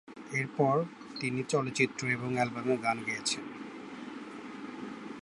এর পর, তিনি চলচ্চিত্র এবং অ্যালবামে গান গেয়েছেন।